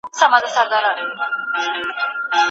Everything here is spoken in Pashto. حقیقت ومنئ او مخکي ولاړ سئ.